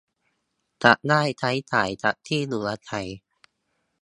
จะได้ใช้จ่ายกับที่อยู่อาศัย